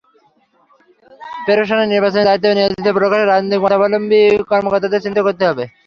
প্রেষণে নির্বাচনী দায়িত্বে নিয়োজিত প্রকাশ্য রাজনৈতিক মতাবলম্বী কর্মকর্তাদের চিহ্নিত করতে হবে।